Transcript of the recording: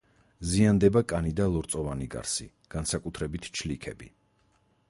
ზიანდება კანი და ლორწოვანი გარსი, განსაკუთრებით ჩლიქები.